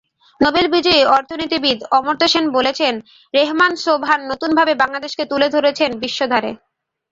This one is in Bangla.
নোবেল বিজয়ী অর্থনীতিবিদ অমর্ত্য সেন বলেছেন, রেহমান সোবহান নতুনভাবে বাংলাদেশকে তুলে ধরেছেন বিশ্বদরবারে।